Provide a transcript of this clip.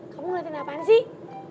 kamu ngeliatin apaan sih